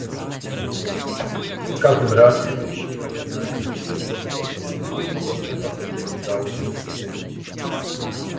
W każdym razie, musimy jednak myśleć pozytywnie o postępach, jakie udało się poczynić